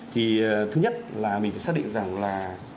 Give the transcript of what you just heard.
thì thứ nhất là mình phải xác định rằng là